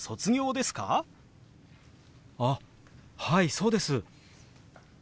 あっはいそうです！